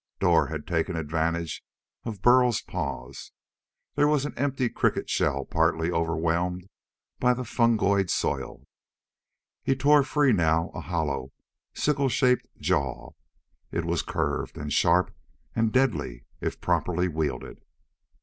Dor had taken advantage of Burl's pause. There was an empty cricket shell partly overwhelmed by the fungoid soil. He tore free a now hollow, sickle shaped jaw. It was curved and sharp and deadly if properly wielded.